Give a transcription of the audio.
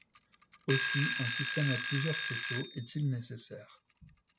Aussi un système à plusieurs faisceaux est-il nécessaire.